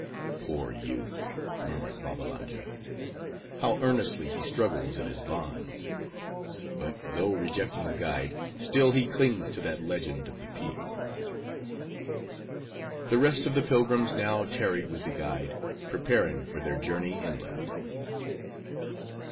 "Poor youth!" murmured Babbalanja. "How earnestly he struggles in his bonds. But though rejecting a guide, still he clings to that legend of the Peak." The rest of the pilgrims now tarried with the guide, preparing for their journey inland.